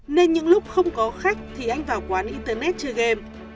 nên những lúc không có khách thì anh vào quán internet chơi game